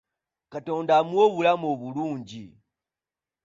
Katonda amuwe obulamu obulungi.